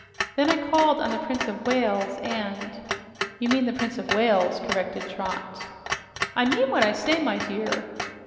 Then I called on the Prince of Whales, and " "You mean the Prince of Wales," corrected Trot. "I mean what I say, my dear.